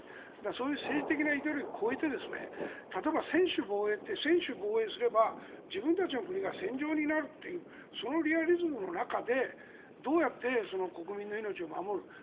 そういう政治的なイデオロギーを超えて例えば、専守防衛って専守防衛すれば自分たちの国が戦場になるというそのリアリズムの中でどうやって国民の命を守るか。